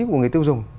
của người tiêu dùng